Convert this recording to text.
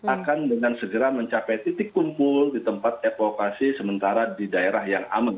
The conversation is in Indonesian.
akan dengan segera mencapai titik kumpul di tempat evokasi sementara di daerah yang aman